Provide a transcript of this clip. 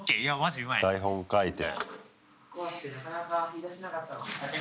台本書いて。